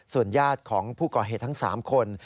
ญาติของผู้ก่อเหตุทั้ง๓คน